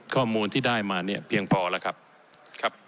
ข้อมูลที่ได้มาเนี่ยเพียงพอแล้วครับ